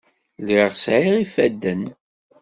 Lliɣ sɛiɣ ifadden.